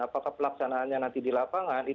apakah pelaksanaannya nanti di lapangan